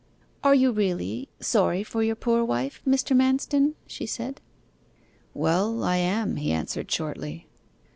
'Are you really sorry for your poor wife, Mr. Manston?' she said. 'Well, I am,' he answered shortly.